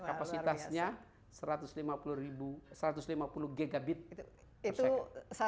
kapasitasnya satu ratus lima puluh gbt per second